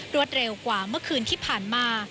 เร็วกว่าเมื่อคืนที่ผ่านมา